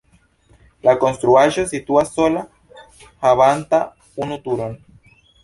La konstruaĵo situas sola havanta unu turon.